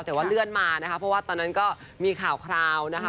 แต่ว่าเลื่อนมานะคะเพราะว่าตอนนั้นก็มีข่าวคราวนะคะ